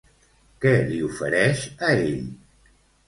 Què li ofereix a ell?